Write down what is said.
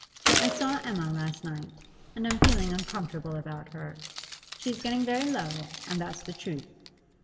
I saw Emma last night, and I'm feeling uncomfortable about her. She's getting very low, and that's the truth.